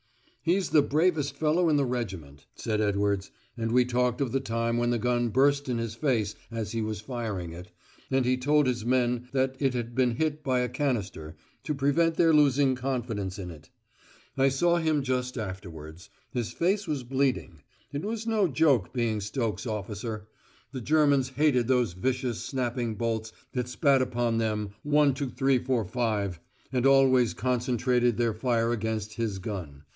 "He's the bravest fellow in the regiment," said Edwards, and we talked of the time when the gun burst in his face as he was firing it, and he told his men that it had been hit by a canister, to prevent their losing confidence in it. I saw him just afterwards: his face was bleeding. It was no joke being Stokes officer; the Germans hated those vicious snapping bolts that spat upon them "One, two, three, four, five," and always concentrated their fire against his gun.